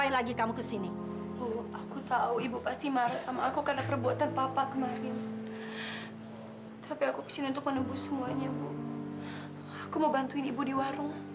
sampai jumpa di video selanjutnya